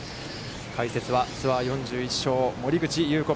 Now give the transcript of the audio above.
解説は、ツアー４１勝森口祐子